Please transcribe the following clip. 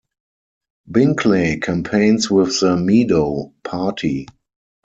Binkley campaigns with the Meadow Party.